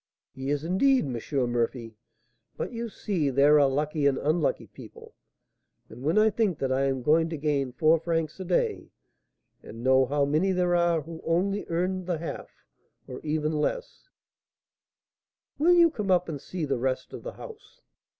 "He is, indeed, M. Murphy. But, you see, there are lucky and unlucky people; and when I think that I am going to gain four francs a day, and know how many there are who only earn the half, or even less " "Will you come up and see the rest of the house?"